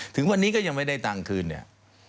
ถึงวันนี้ก็ยังไม่ได้ตังค์คืนเนี่ย